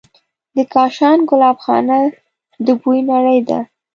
د کاشان ګلابخانه د بوی نړۍ ده.